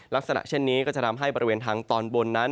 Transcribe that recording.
ลักษณะเช่นนี้ก็จะทำให้บริเวณทางตอนบนนั้น